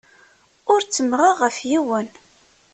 Ur ttemmɣeɣ ɣef yiwen.